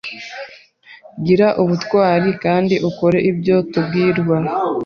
Gira ubutwari kandi ukore ibyo tubwirwa